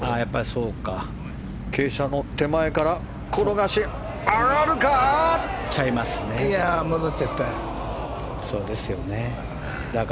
傾斜の手前から転がし上がるか！